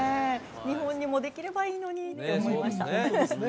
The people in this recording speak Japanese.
日本にもできればいいのにって思いました